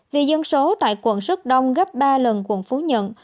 vì dân số tại quận rất đông gấp ba lần quận phú nhận